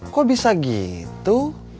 kok bisa gitu